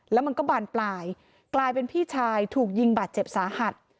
แล้วมันก็บานปลายกลายเป็นพี่ชายถูกยิงบาดเจ็บสาหัส